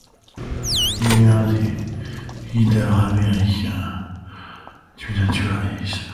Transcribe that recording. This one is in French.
Il est l'un des leaders américains du naturalisme.